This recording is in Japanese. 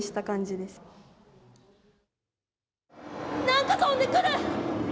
なんか飛んでくる。